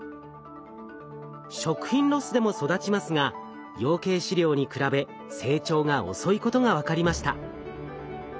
食品ロスでも育ちますが養鶏飼料に比べ成長が遅いことが分かりました。